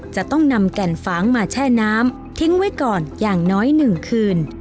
จะต้องนำแก่นฝางมาแช่น้ำทิ้งไว้ก่อนอย่างน้อย๑คืน